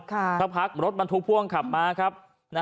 เขาพักรถมันทุกพ่วงขับมาครับ